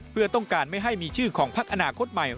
เพื่อต้องการไม่ให้มีชื่อของพักอนาคตใหม่